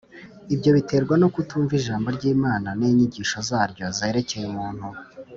Ibi biterwa no kutumva Ijambo (ry'Imana) n'inyigisho zaryo zerekeye umuntu,